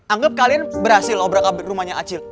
anggep kalian berhasil obrak obrak rumahnya acil